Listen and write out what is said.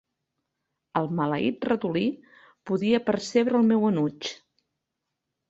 El maleït ratolí podia percebre el meu enuig.